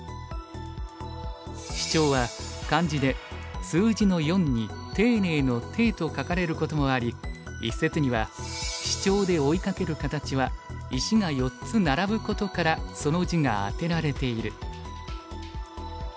シチョウは漢字で数字の「四」に丁寧の「丁」と書かれることもあり一説にはシチョウで追いかける形は石が４つ並ぶことからその字が当てられている。